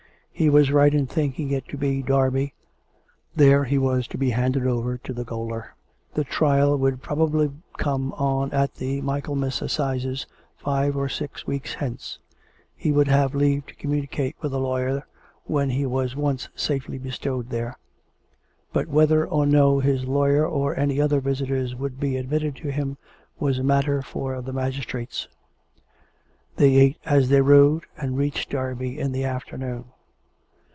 He was right in thinking it to be Derby. There he was to be handed over to the gaoler. The trial would probably come on at the Michaelmas assizes, five or six weeks hence. He would have leave to communicate with a lawyer when he was once safely bestowed there; but whether or no his lawyer or any other visitors would be admitted to him was a matter for the magistrates. They ate as they rode, and reached Derby in the after noon.